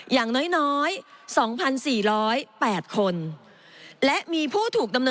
อย่างน้อย๒๔๐๘คน